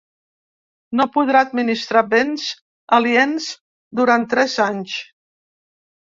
No podrà administrar béns aliens durant tres anys.